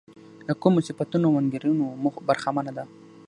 له کومو صفتونو او انګېرنو برخمنه ده.